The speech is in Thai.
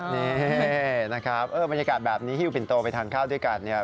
นี่นะครับบรรยากาศแบบนี้ฮิ้วปินโตไปทานข้าวด้วยกันเนี่ย